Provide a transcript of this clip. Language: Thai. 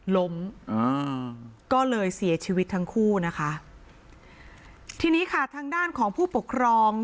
ล้มอ่าก็เลยเสียชีวิตทั้งคู่นะคะทีนี้ค่ะทางด้านของผู้ปกครอง